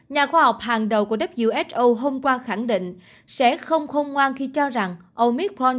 nhà khoa học hàng đầu của who hôm qua khẳng định sẽ không không ngoan khi cho rằng omicron